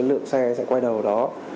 lượng xe sẽ quay đầu đó